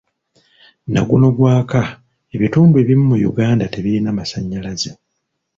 Naguno gwaka ebitundu ebimu mu Uganda tebirina masannyalaze.